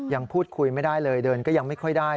ยังพูดคุยไม่ได้เลยเดินก็ยังไม่ค่อยได้